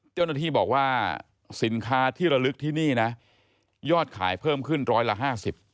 เจ้าหน้าที่บอกว่าสินค้าที่ระลึกที่นี่นะยอดขายเพิ่มขึ้นร้อยละห้าสิบ